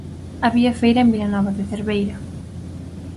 Había feira en Vilanova da Cerveira.